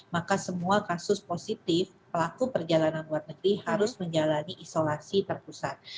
maka semua kasus positif pelaku perjalanan luar negeri harus menjalani isolasi terpusat